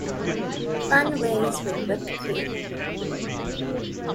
Fun ways with whipped cream.